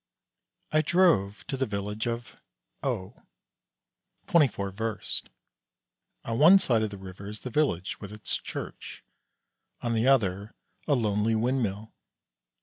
I drove to the village of O , 24 versts. On one side of the river is the village, with its church, on the other a lonely windmill.